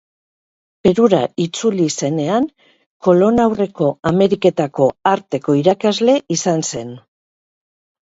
Perura itzuli zenean, Kolon aurreko Ameriketako arteko irakasle izan zen.